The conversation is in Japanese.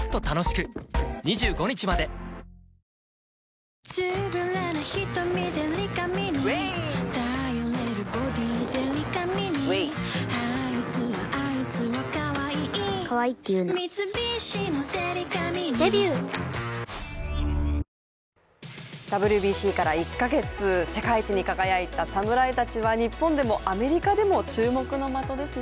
１００万人に「クリアアサヒ」ＷＢＣから１か月、世界一に輝いた侍たちは日本でもアメリカでも注目の的ですね。